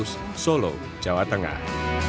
kartika bagus solo jawa tengah